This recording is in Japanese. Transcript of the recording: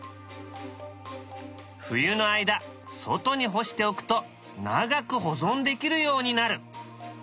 冬の間外に干しておくと長く保存できるようになる。